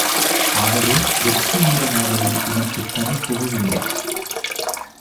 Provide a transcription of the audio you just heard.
ஆகவே வெற்றி வீரனாவதில் உனக்குத் தனிப் புகழில்லை.